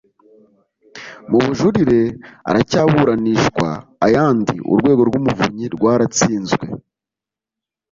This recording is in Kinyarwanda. mu bujurire aracyaburanishwa ayandi urwego rw umuvunyi rwaratsinzwe